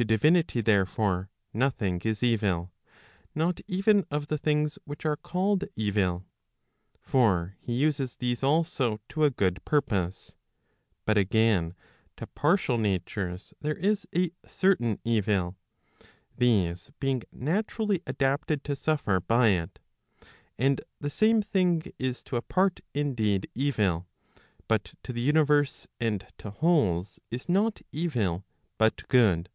To divinity therefore nothing is evil, not even of the things which are called evil. For he uses these also to a good purpose. But again, to partial natures there is a certain evil, these being naturally adapted to suffer by it. And the same thing is to a part indeed evil, but to the universe and to wholes is not evil, but good.